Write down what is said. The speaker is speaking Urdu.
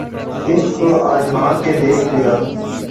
عشق کو آزما کے دیکھ لیا